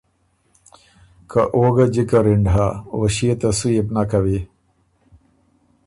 که او ګۀ جِکه رِنډ هۀ او ݭيې ته سُو يې بو نک کوی